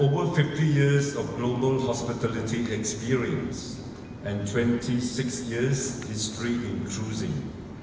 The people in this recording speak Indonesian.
dengan lima puluh tahun pengalaman hospitalitas global dan dua puluh enam tahun sejarah kapal pesiar